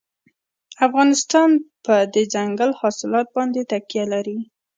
افغانستان په دځنګل حاصلات باندې تکیه لري.